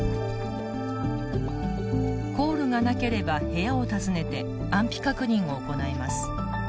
コールがなければ部屋を訪ねて安否確認を行います。